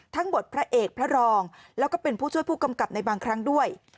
บทพระเอกพระรองแล้วก็เป็นผู้ช่วยผู้กำกับในบางครั้งด้วย